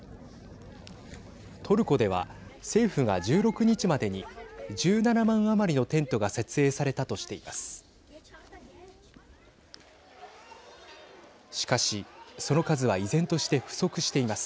トルコでは政府が１６日までに１７万余りのテントが設営されたとしています。